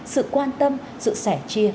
sự quan tâm sự sẻ chia